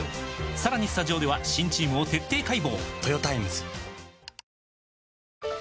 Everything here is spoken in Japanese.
さらにスタジオでは新チームを徹底解剖！